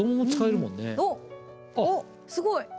おっすごい。